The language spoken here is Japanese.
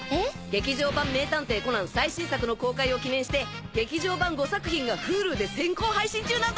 劇場版『名探偵コナン』最新作の公開を記念して劇場版５作品がＨｕｌｕで先行配信中なんだって！